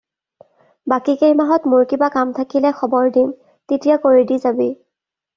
বাকী কেইমাহত মোৰ কিবা কাম থাকিলে খবৰ দিম, তেতিয়া কৰি দি যাবি।